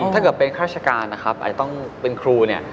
ถ้าเกิดเป็นข้าราชการนะครับอาจจะต้องเป็นครูเนี่ย